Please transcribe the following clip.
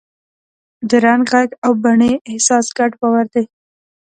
د رنګ، غږ او بڼې احساس ګډ باور دی.